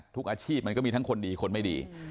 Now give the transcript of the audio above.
ทุกอาชีพมันก็มีทั้งคนดีคนไม่ดี